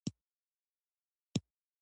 د ریپورټ لیکنه باید لنډ وي په مفصل ډول نه وي.